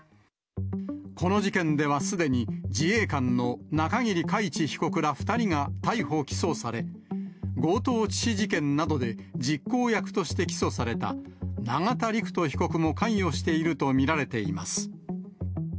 この事件ではすでに、自衛官の中桐海知被告ら２人が逮捕・起訴され、強盗致死事件などで実行役として起訴された、永田陸人被告も関与していると見られています。